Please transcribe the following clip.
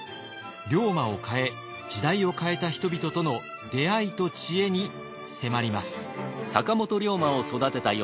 龍馬を変え時代を変えた人々との出会いと知恵に迫ります。